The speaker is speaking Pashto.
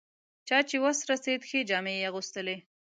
چا چې وس رسېد ښې جامې یې اغوستلې.